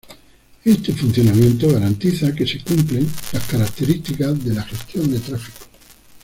Este funcionamiento garantiza que se cumplen las características de la gestión de tráfico.